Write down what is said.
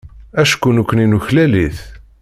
Acku nekkni nuklal-it.